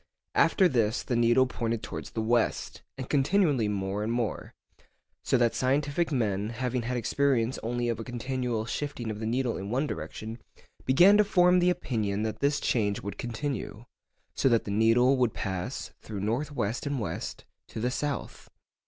After this the needle pointed towards the west, and continually more and more, so that scientific men, having had experience only of a continual shifting of the needle in one direction, began to form the opinion that this change would continue, so that the needle would pass, through north west and west, to the south.